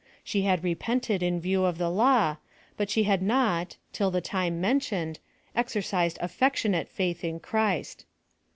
She had repented in view of the law, but she hfid not, till the time mentioned, exercised affectionate faith in Christ.